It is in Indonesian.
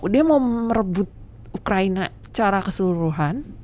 dia mau merebut ukraina secara keseluruhan